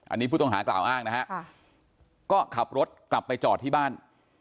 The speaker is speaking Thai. อันนี้ผู้ต้องหากล่าวอ้างนะฮะก็ขับรถกลับไปจอดที่บ้าน